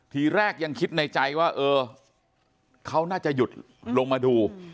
ทีแรกยังคิดในใจว่าเออเขาน่าจะหยุดลงมาดู